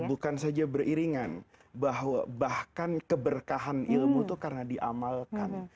bukan saja beriringan bahwa bahkan keberkahan ilmu itu karena diamalkan